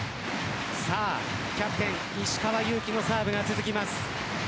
キャプテン石川祐希のサーブが続きます。